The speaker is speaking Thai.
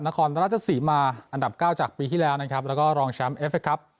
นครราชสีมาอันดับเก้าจากปีที่แล้วนะครับแล้วก็รองแชมป์เอฟเคครับ